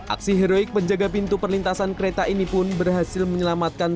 aksi heroik penjaga pintu perlintasan kereta ini pun berhasil menyelamatkan